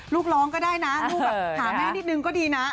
ลูกร้องก็ได้นะลูกแบบหาแม่นิดนึงก็ดีนะ